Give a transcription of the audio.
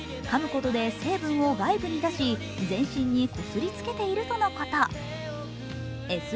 ことで成分を外部に出し、全身にこすりつけているとのこと。